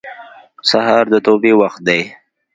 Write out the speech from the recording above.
سهار د توبې وخت دی.